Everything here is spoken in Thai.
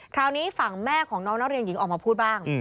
คราวนี้ฝั่งแม่ของน้องนักเรียนหญิงออกมาพูดบ้าง